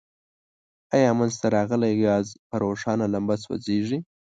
آیا منځ ته راغلی ګاز په روښانه لمبه سوځیږي؟